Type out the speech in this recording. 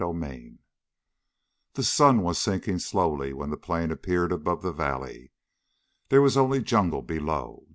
CHAPTER VII The sun was sinking slowly when the plane appeared above the valley. There was only jungle below.